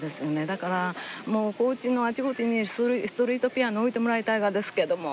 だからもう高知のあちこちにストリートピアノ置いてもらいたいがですけども。